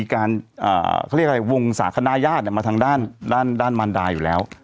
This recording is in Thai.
เขาเรียกว่าวงศาขนายาทเนี่ยมาทางด้านมันดาอยู่แล้ว